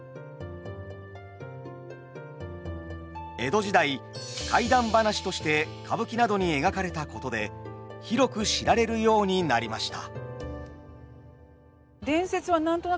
江戸時代怪談話として歌舞伎などに描かれたことで広く知られるようになりました。